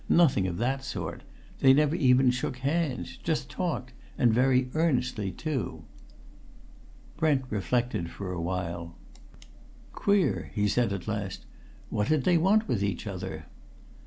"Nothing of that sort! They never even shook hands. Just talked and very earnestly too." Brent reflected for a while. "Queer!" he said at last. "What did they want with each other?"